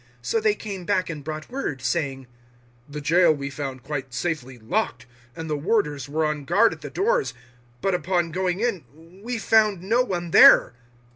So they came back and brought word, 005:023 saying, "The jail we found quite safely locked, and the warders were on guard at the doors, but upon going in we found no one there."